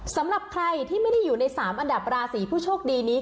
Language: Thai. สำหรับใครที่ไม่ได้อยู่ใน๓อันดับราศีผู้โชคดีนี้